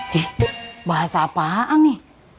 cih bahasa apaan nih